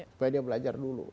supaya dia belajar dulu